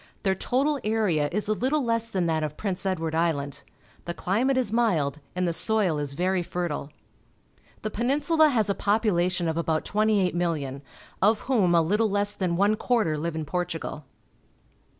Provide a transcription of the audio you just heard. Their total area is a Uttle less than that of Prince Edward Island. The climate is mild, and the soil is very fertile. The Peninsula has a population of about 28,000,000, of whom a httle less than one quarter live in Portugal.